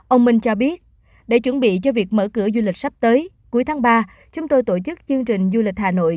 ông minh cho biết để chuẩn bị cho việc mở cửa du lịch sắp tới cuối tháng ba chúng tôi tổ chức chương trình du lịch hà nội